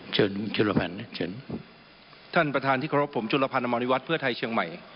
เชิญจุลพันธ์เชิญท่านประธานที่เคารพผมจุลพันธ์อมริวัตรเพื่อไทยเชียงใหม่